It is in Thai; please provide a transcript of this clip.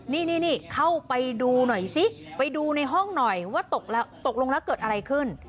นี่เข้าไปดูหน่อยซิไปดูในห้องหน่อยว่าตกลงแล้วเกิดอะไรขึ้น